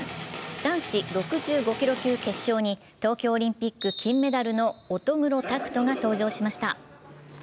男子６５キロ級決勝に東京オリンピック金メダルの乙黒拓斗が登場しました。